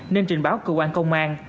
nên trình báo cơ quan công an